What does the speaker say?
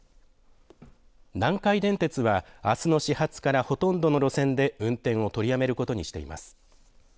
南海電鉄はあすの始発からほとんどの路線で運転を取りやめることにしています。